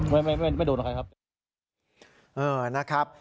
ไม่ไม่โดนใครครับ